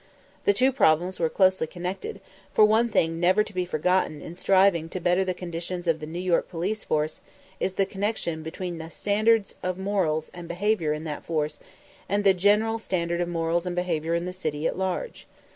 The two problems were closely connected; for one thing never to be forgotten in striving to better the conditions of the New York police force is the connection between the standard of morals and behavior in that force and the general standard of morals and behavior in the city at large.